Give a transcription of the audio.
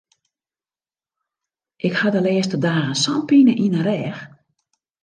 Ik ha de lêste dagen sa'n pine yn de rêch.